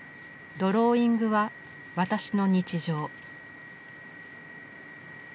ドローイングは私の日常。